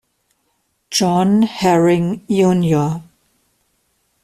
John Herring Jr.